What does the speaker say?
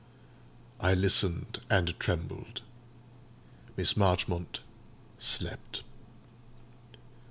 I listened and trembled; Miss Marchmont slept.